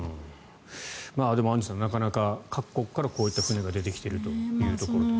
でもアンジュさん各国からこういった船が出てきているということです。